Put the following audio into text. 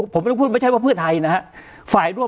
ผมไม่ต้องพูดไม่ใช่ว่าเพื่อไทยนะครับ